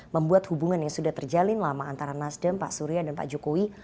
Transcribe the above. membuat hubungan yang sudah terjalin lama antara nasdem pak surya dan pak jokowi